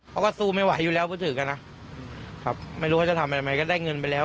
เขาก็สู้ไม่ไหวอยู่แล้วพูดถึงกันนะครับไม่รู้เขาจะทำอะไรไหมก็ได้เงินไปแล้ว